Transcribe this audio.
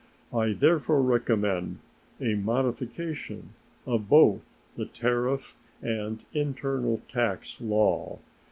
I therefore recommend a modification of both the tariff and internal tax law.